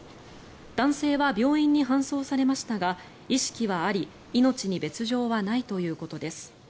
男性は病院に搬送されましたが意識はあり命に別条はないということです。